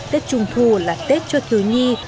tết trung thu là tết cho thứ nhi